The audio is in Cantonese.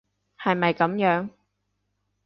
係咪噉樣？